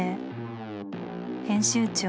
編集長